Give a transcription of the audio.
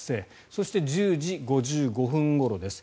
そして、１０時５５分ごろです。